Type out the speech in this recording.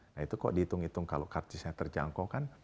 nah itu kok dihitung hitung kalau kartisnya terjangkau kan